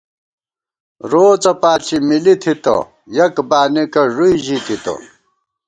روڅہ پاݪی مِلی تِھتہ ، یَک بانېکہ ݫُوئی ژِی تِتہ